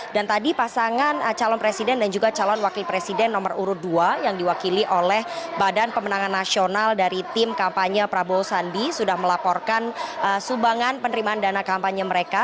dan tadi pasangan calon presiden dan juga calon wakil presiden nomor urut dua yang diwakili oleh badan pemenangan nasional dari tim kampanye prabowo sandi sudah melaporkan sumbangan penerimaan dana kampanye mereka